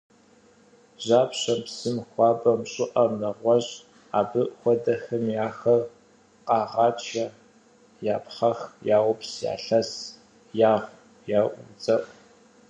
Жьапщэм, псым, хуабэм, щIыIэм, нэгъуэщI абы хуэдэхэми ахэр къагъачэ, япхъэх, яупс, ялъэс, ягъу, яудзэIу.